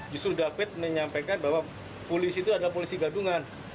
justru david menyampaikan bahwa polisi itu adalah polisi gadungan